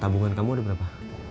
tabungan kamu ada berapa